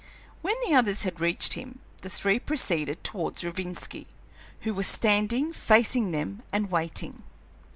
When the others had reached him, the three proceeded towards Rovinski, who was standing facing them and waiting.